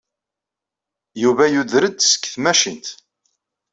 Yuba yuder-d seg tmacint.